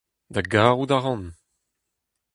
Da garout a ran !